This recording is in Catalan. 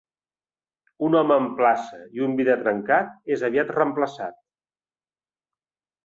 Un home en plaça i un vidre trencat és aviat reemplaçat.